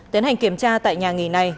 tiến hành kiểm tra tại nhà nghỉ này